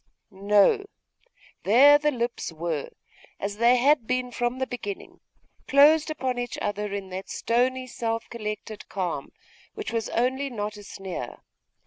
No! there the lips were, as they had been from the beginning, closed upon each other in that stony self collected calm, which was only not a sneer.